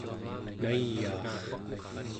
nayaar